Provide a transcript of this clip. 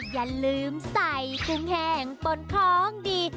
อย่าลืมใส่กุ้งแห้งปนของดี